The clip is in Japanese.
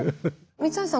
三橋さん